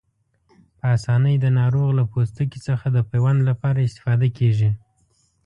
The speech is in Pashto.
په آسانۍ د ناروغ له پوستکي څخه د پیوند لپاره استفاده کېږي.